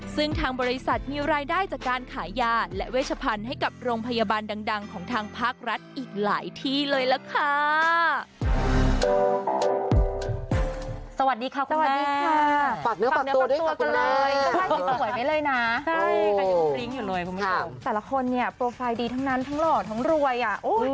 ซึ่งทางบริษัทมีรายได้จากการขายยาและเวชพันธุ์ให้กับโรงพยาบาลดังของทางภาครัฐอีกหลายที่เลยล่ะค่ะ